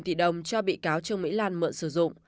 một tỷ đồng cho bị cáo trường mỹ lan mượn sử dụng